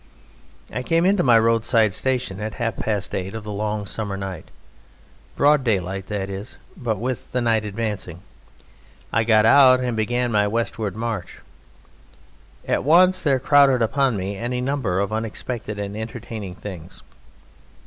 I came into my roadside station at half past eight of the long summer night, broad daylight that is, but with night advancing. I got out and began my westward march. At once there crowded upon me any number of unexpected and entertaining things!